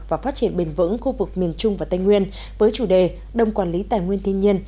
và phát triển bền vững khu vực miền trung và tây nguyên với chủ đề đồng quản lý tài nguyên thiên nhiên